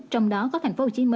trong đó có tp hcm